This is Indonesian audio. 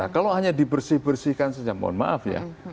kalau hanya dibersih bersihkan saja mohon maaf ya